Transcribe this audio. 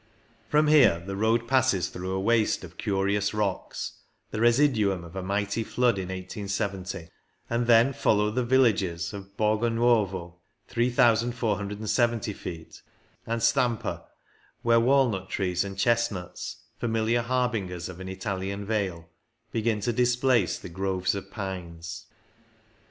From here the road passes through a waste of curious rocks, the residuum of a mighty flood in 1870; and then follow the villages of Borgonuovo (3,470 ft.) and Stampa, where walnut trees and chestnuts, familiar harbingers of an Italian vale, begin to displace the groves of pines.